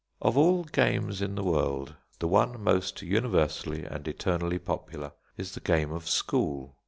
Of all games in the world, the one most universally and eternally popular is the game of school.